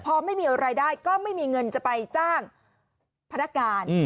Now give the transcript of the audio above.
พอไม่มีอะไรได้ก็ไม่มีเงินจะไปจ้างพนักการ